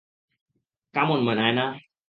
Come on, Naina.